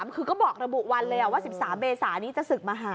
คือก็บอกระบุวันเลยว่า๑๓เมษานี้จะศึกมหา